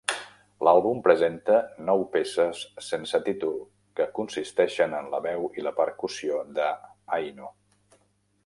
L'àlbum presenta nou peces sense títol, que consisteixen en la veu i la percussió de Haino.